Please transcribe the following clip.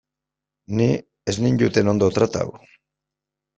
Ni ez ninduten ondo tratatu.